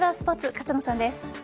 勝野さんです。